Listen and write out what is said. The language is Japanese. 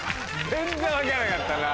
全然分かんなかったな。